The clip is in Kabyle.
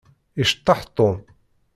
Iceṭṭeḥ Tom.